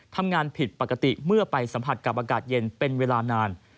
ทำงานผิดปกติเมื่อไปสัมผัสกับอากาศเย็นเป็นเวลานาน